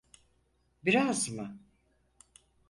Biraz mı?